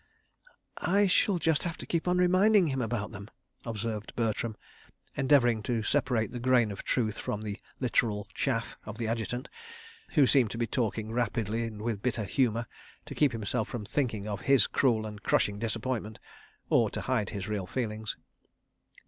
..." "I shall have to keep on reminding him about them," observed Bertram, endeavouring to separate the grain of truth from the literal "chaff" of the Adjutant—who seemed to be talking rapidly and with bitter humour, to keep himself from thinking of his cruel and crushing disappointment, or to hide his real feelings.